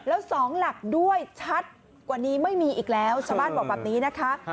แล้วสองหลักด้วยชัดกว่านี้ไม่มีอีกแล้วชาวบ้านบอกแบบนี้นะคะ